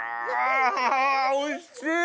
おいしい！